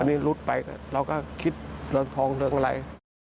อันนี้หลุดไปเราก็คิดเรื่องทองเรื่องอะไร